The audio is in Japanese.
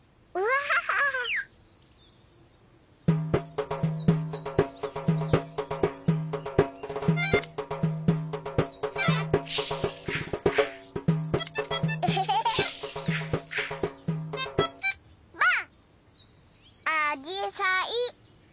あじさい。